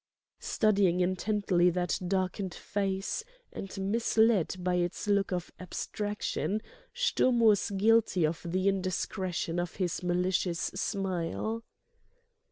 Studying intently that darkened face, and misled by its look of abstraction, Sturm was guilty of the indiscretion of his malicious smile.